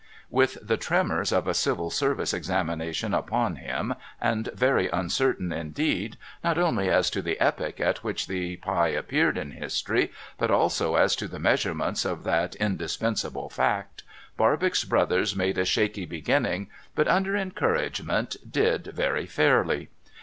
With the tremors of a Civil Service examination upon him, and very uncertain indeed, not only as to the epoch at which the ])ie appeared in history, but also as to the measurements of that indis pensable fact, Barbox Brothers made a shaky beginning, but under encouragement did very fairly.